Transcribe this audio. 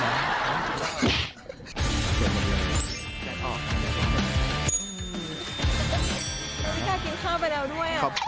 พี่กล้ากินข้าวไปแล้วด้วย